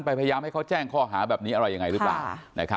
พยายามให้เขาแจ้งข้อหาแบบนี้อะไรยังไงหรือเปล่า